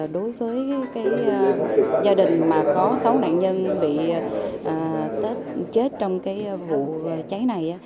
đối với gia đình mà có sáu nạn nhân bị chết trong vụ cháy này